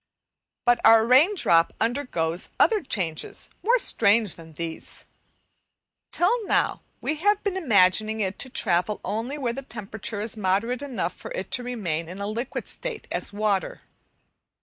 But our rain drop undergoes other changes more strange than these. Till now we have been imagining it to travel only where the temperature is moderate enough for it to remain in a liquid state as water.